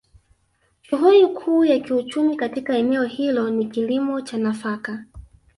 Shughuli Kuu ya kiuchumi katika eneo hilo ni kilimo cha nafaka